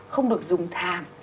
không được dùng thàn